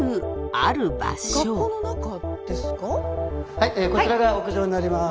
はいこちらが屋上になります。